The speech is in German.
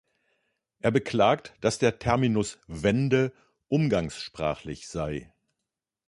Er beklagt, dass der Terminus „Wende“ umgangssprachlich sei.